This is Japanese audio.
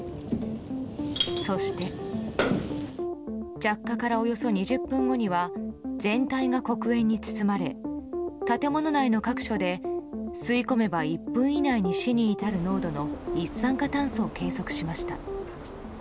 そして、着火からおよそ２０分後には全体が黒煙に包まれ建物内の各所で吸い込めば１分以内に死に至る濃度の一酸化炭素を計測しました。